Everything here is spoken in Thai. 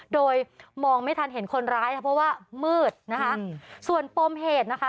โดยมองไม่ทันเห็นคนร้ายค่ะเพราะว่ามืดนะคะส่วนปมเหตุนะคะ